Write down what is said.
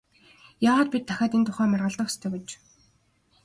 Яагаад бид дахиад энэ тухай маргалдах ёстой гэж?